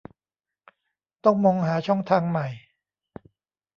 ต้องมองหาช่องทางใหม่